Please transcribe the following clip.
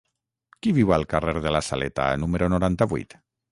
Qui viu al carrer de la Saleta número noranta-vuit?